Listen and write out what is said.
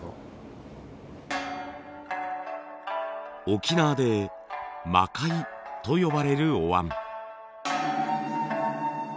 沖縄で「マカイ」と呼ばれるおわん。